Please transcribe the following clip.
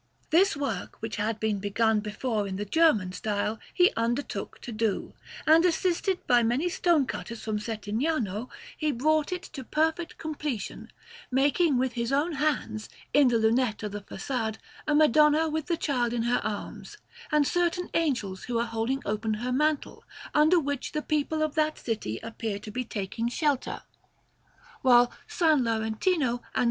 This work, which had been begun before in the German style, he undertook to do; and assisted by many stonecutters from Settignano, he brought it to perfect completion, making with his own hand, in the lunette of the façade, a Madonna with the Child in her arms, and certain angels who are holding open her mantle, under which the people of that city appear to be taking shelter, while S. Laurentino and S.